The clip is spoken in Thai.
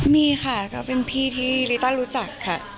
มีค่ะก็เป็นพี่ที่ลิต้ารู้จักค่ะ